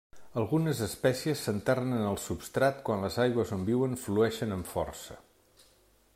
Algunes espècies s'enterren en el substrat quan les aigües on viuen flueixen amb força.